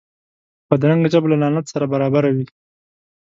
بدرنګه ژبه له لعنت سره برابره وي